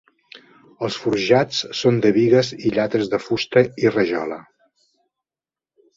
Els forjats són de bigues i llates de fusta i rajola.